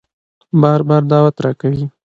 بار بار دعوت راکوي